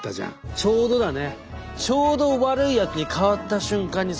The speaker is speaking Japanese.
ちょうどだね。